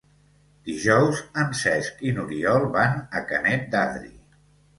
Dijous en Cesc i n'Oriol van a Canet d'Adri.